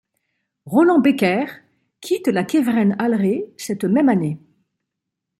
Roland Becker quitte la Kevrenn Alré cette même année.